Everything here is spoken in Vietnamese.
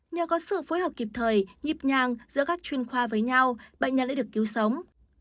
nhờ có sự phối hợp kịp thời nhịp nhàng giữa các chuyên khoa với nhau bệnh nhân lại được cứu sống